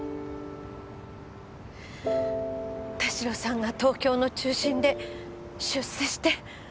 田代さんが東京の中心で出世して。